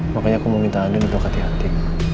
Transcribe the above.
makanya aku mau minta anda untuk hati hati